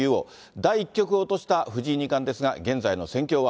第１局を落とした藤井二冠ですが、現在の戦況は。